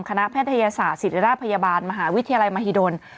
แพทยศาสตร์ศิริราชพยาบาลมหาวิทยาลัยมหิดล